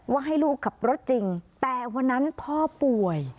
ให้ลูกขับรถจริงแต่วันนั้นพ่อป่วย